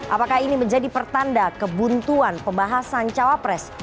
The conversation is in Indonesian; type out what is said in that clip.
apakah ini menjadi pertanda kebuntuan pembahasan cawapres